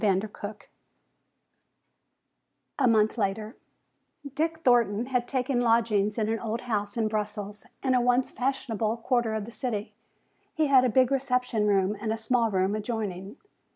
CHAPTER XIV A Month Later Dick Thornton had taken lodgings in an old house in Brussels in a once fashionable quarter of the city. He had a big reception room and a small room adjoining.